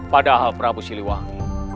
padahal prabu siliwangi